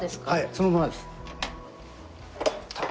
そのままです。